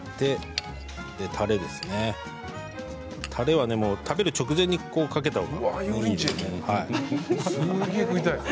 たれは、直前にかけたほうがいいです。